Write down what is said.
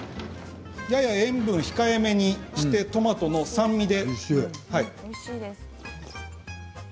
やや塩分を控えめにしてトマトの酸味で。